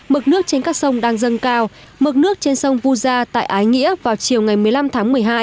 mực nước trên các sông đang dâng cao mực nước trên sông vu gia tại ái nghĩa vào chiều ngày một mươi năm tháng một mươi hai